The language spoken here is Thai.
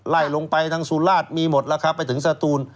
ไล่ลงไปทางสุราชมีหมดแล้วครับไปถึงสตูน